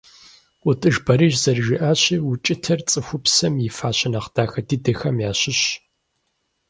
ӀутӀыж Борис зэрыжиӀащи укӀытэр цӀыхупсэм и фащэ нэхъ дахэ дыдэхэм ящыщщ.